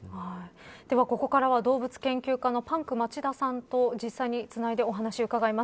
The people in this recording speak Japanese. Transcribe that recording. では、ここからは動物研究家のパンク町田さんと実際につないでお話を伺います。